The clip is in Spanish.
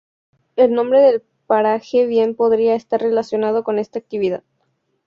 El nombre del paraje bien podría estar relacionado con esta actividad.